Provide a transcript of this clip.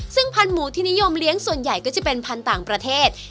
ซึ่งพันธุ์หมูที่นิยมเลี้ยงส่วนใหญ่ก็จะเป็นพันธุ์ต่างประเทศ